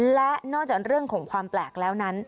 และนอกจากเรื่องของความแปลกแล้วนั้น